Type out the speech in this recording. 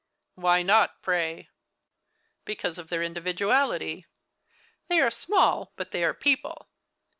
" Why not, pray ?"" Because of their individuality. They are small, but they are people.